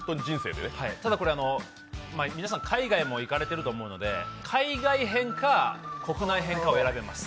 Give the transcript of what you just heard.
ただ皆さん、海外にも行かれていると思うので、海外編か国内編かを選べます。